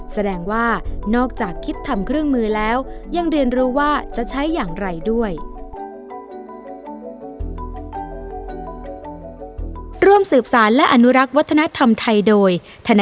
แสดงว่านอกจากคิดทำเครื่องมือแล้วยังเรียนรู้ว่าจะใช้อย่างไรด้วย